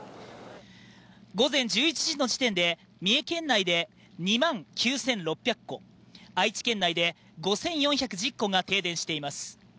午前１１時の時点で三重県内で２万９６００戸愛知県内で５４１０戸が停電しています